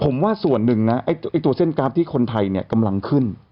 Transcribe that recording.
ผมว่าส่วนหนึ่งนะไอ้ตัวเส้นกราฟที่คนไทยเนี่ยกำลังขึ้น